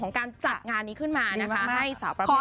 ของการจัดงานนี้ขึ้นมาให้สาวประเภทสอง